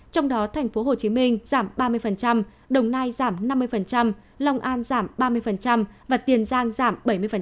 trong đó thành phố hồ chí minh giảm ba mươi đồng nai giảm năm mươi long an giảm ba mươi và tiền giang giảm bảy mươi